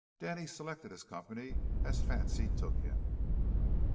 Danny selected his company as the fancy took him.